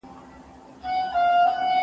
يا ئې هم په قرعه کشي کي نوم راووځي.